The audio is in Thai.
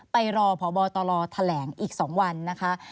ไปรอพบตรแถลงอีก๒วันนะคะ